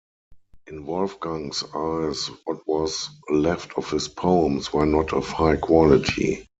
In Wolfgang's eyes, what was left of his poems were not of high quality.